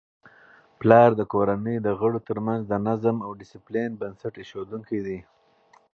پلار د کورنی د غړو ترمنځ د نظم او ډیسپلین بنسټ ایښودونکی دی.